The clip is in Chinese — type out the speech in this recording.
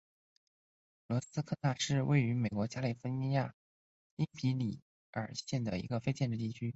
罗斯科纳是位于美国加利福尼亚州因皮里尔县的一个非建制地区。